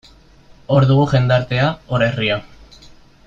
Hor dugu jendartea, hor herria.